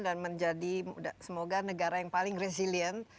dan menjadi semoga negara yang paling resilient